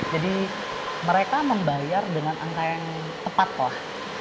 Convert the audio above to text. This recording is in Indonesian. jadi mereka membayar dengan angka yang tepat lah